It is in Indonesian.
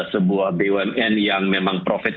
sebuah bumn yang memang profit